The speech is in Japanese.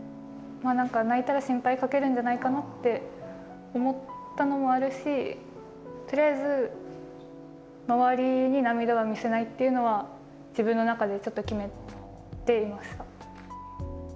まあ何か泣いたら心配かけるんじゃないかなって思ったのもあるしとりあえず周りに涙は見せないっていうのは自分の中でちょっと決めていました。